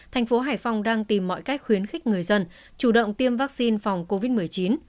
thành phố hải phòng đang tìm mọi cách khuyến khích người dân chủ động tiêm vaccine phòng covid một mươi chín